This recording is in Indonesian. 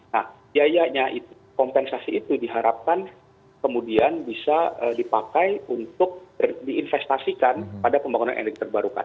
nah biayanya itu kompensasi itu diharapkan kemudian bisa dipakai untuk diinvestasikan pada pembangunan energi terbarukan